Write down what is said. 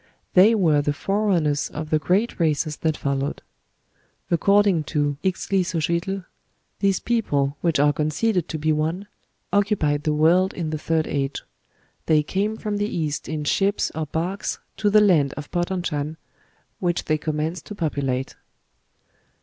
They were the forerunners of the great races that followed. According to Ixtlilxochitl, these people which are conceded to be the ones who occupied the world in the third age; they came from the East in ships or barks to the land of Potonchan, which they commenced to populate."